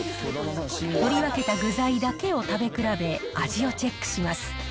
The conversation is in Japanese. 取り分けた具材だけを食べ比べ、味をチェックします。